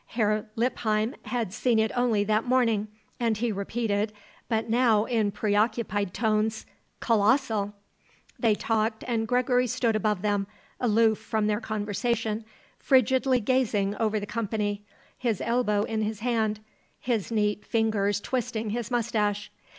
Herr Lippheim had seen it only that morning and he repeated, but now in preoccupied tones, "Kolossal!" They talked, and Gregory stood above them, aloof from their conversation frigidly gazing over the company, his elbow in his hand, his neat fingers twisting his moustache.